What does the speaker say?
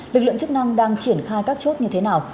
lực lượng chức năng đang triển khai các chốt như thế nào